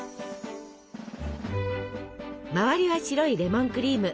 周りは白いレモンクリーム。